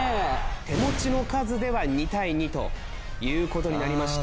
手持ちの数では２対２ということになりました。